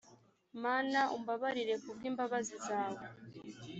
mana umbabarire ku bw imbabazi zawe